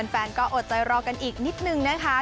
แฟนก็อดใจรอกันอีกนิดนึงนะคะ